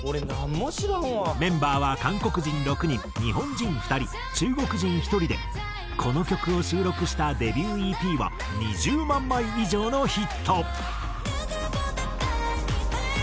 メンバーは韓国人６人日本人２人中国人１人でこの曲を収録したデビューＥＰは２０万枚以上のヒット。